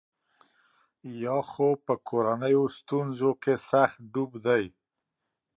یا خو په کورنیو ستونزو کې سخت ډوب دی.